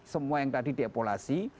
semua yang tadi diepolasi